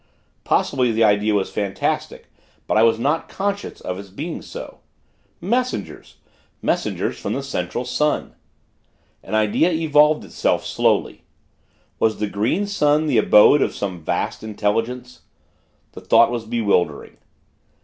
Possibly, the idea was fantastic; but I was not conscious of its being so. Messengers! Messengers from the Central Sun! An idea evolved itself, slowly. Was the Green Sun the abode of some vast Intelligence? The thought was bewildering.